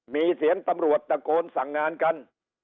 มีเสียงตำรวจตะโกนสั่งงานกัน